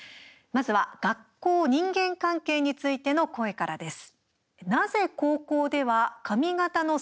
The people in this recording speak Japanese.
まずは学校、人間関係についての声からです。